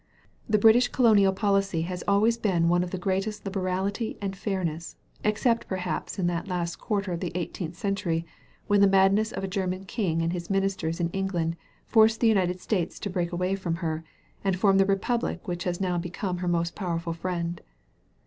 The Britiidi colonial policy has always been one of the greatest liberality and fairness, except perhaps in that last quarter of the eighteenth century, when the madness of a German king and his ministers in England forced the United States to break away from her, and form the republic which has now become her most powerful friend.